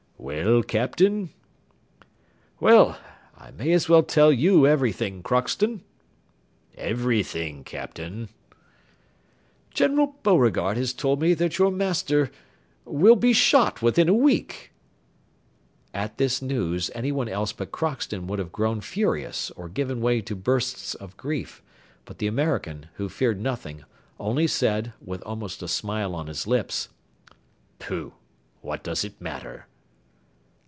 "Well, Captain?" "Well, I may as well tell you everything, Crockston." "Everything, Captain." "General Beauregard has told me that your master will be shot within a week." At this news anyone else but Crockston would have grown furious or given way to bursts of grief, but the American, who feared nothing, only said, with almost a smile on his lips: "Pooh! what does it matter?"